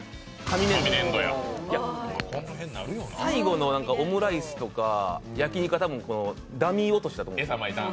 最後のオムライスとか焼き肉はたぶん、ダミー落としだと思う。